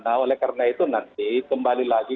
nah oleh karena itu nanti kembali lagi